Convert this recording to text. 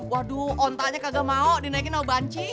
waduh ontaknya kagak mau dinaikin aw banci